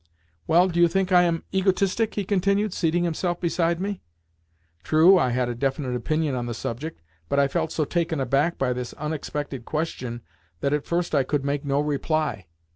"Well, do you think I am egotistic?" he continued, seating himself beside me. True, I had a definite opinion on the subject, but I felt so taken aback by this unexpected question that at first I could make no reply.